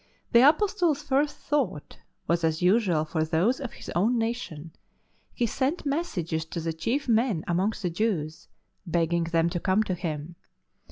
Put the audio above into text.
The Apostle's first thought was as usual for those of his own nation; he sent messages to the chief men amongst the Jews, begging them to come to him.